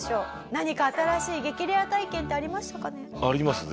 何か新しい激レア体験ってありましたかね？